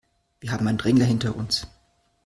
Wir haben einen Drängler hinter uns.